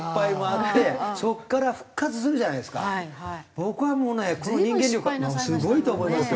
僕はもうねこの人間力すごいと思いますよ。